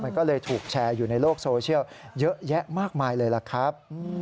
มันก็เลยถูกแชร์อยู่ในโลกโซเชียลเยอะแยะมากมายเลยล่ะครับ